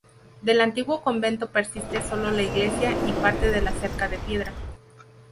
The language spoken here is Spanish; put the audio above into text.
Del antiguo convento persiste solo la Iglesia y parte de la cerca de piedra.